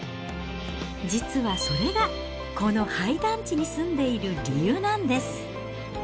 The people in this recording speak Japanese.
実はそれが、この廃団地に住んでいる理由なんです。